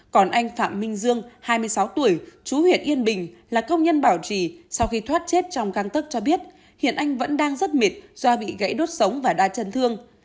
còn anh phạm minh dương hai mươi sáu tuổi chú huyện yên bình là công nhân bảo trì sau khi thoát chết trong căng tấc cho biết hiện anh vẫn đang rất mệt do bị gãy đốt sống và đa chấn thương